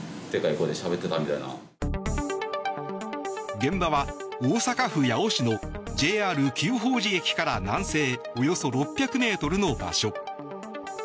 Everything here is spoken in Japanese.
現場は大阪府八尾市のＪＲ久宝寺駅から南西およそ６００ｍの場所。